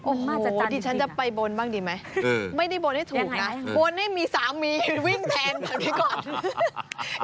ดิฉันจะไปบนบ้างดีไหมไม่ได้บนให้ถูกนะบนให้มีสามีวิ่งแทนแบบนี้ก่อน